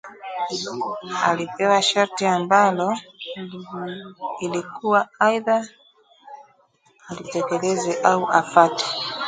alipewa sharti ambalo ilikuwa aidha alitekeleze au afate